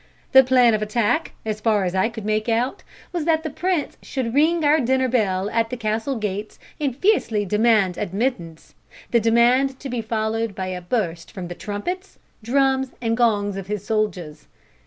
The plan of attack, as far as I could make out, was that the prince should ring our dinner bell at the castle gates and fiercely demand admittance, the demand to be followed by a burst from the trumpets, drums, and gongs of his soldiers.